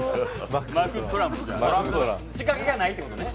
仕掛けがないということね。